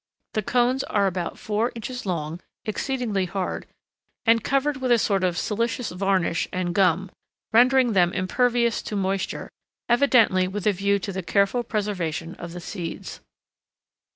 The cones are about four inches long, exceedingly hard, and covered with a sort of silicious varnish and gum, rendering them impervious to moisture, evidently with a view to the careful preservation of the seeds.